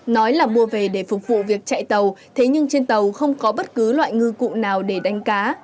nói là mua về để phục vụ việc chạy tàu thế nhưng trên tàu không có bất cứ loại ngư cụ nào để đánh cá